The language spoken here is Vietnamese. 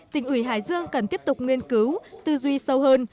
tỉnh ủy hải dương cần tiếp tục nghiên cứu tư duy sâu hơn